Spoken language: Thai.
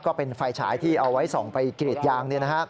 ก็เป็นไฟฉายที่เอาไว้ส่องไปกรีดยาง